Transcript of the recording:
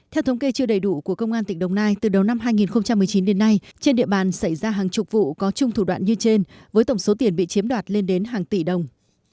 theo thống kê chưa đầy đủ của công an tỉnh đồng nai từ đầu năm hai nghìn một mươi chín đến nay trên địa bàn xảy ra hàng chục vụ có chung thủ đoạn như trên với tổng số tiền bị chiếm đoạt lên đến hàng tỷ đồng